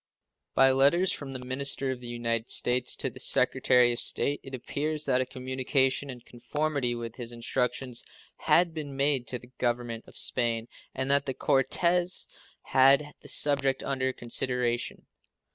By letters from the minister of the United States to the Secretary of State it appears that a communication in conformity with his instructions had been made to the Government of Spain, and that the Cortes had the subject under consideration.